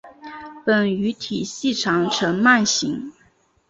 本鱼体细长呈鳗形。